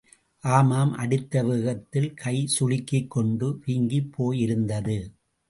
ஆமாம் அடித்த வேகத்தில் கை சுளுக்கிக் கொண்டு, வீங்கிப் போயிருந்தது.